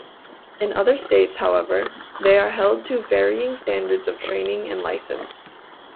In other states, however, they are held to varying standards of training and license.